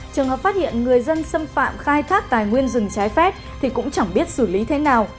trường hợp phát hiện người dân xâm phạm khai thác tài nguyên rừng trái phép thì cũng chẳng biết xử lý thế nào